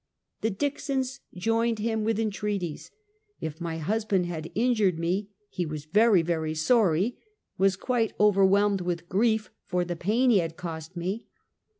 The Dicksons joined him with entreat ies. If my husband had injured me, he was very, very sorry, was quite overwhelmed with grief for the pain he had cost me.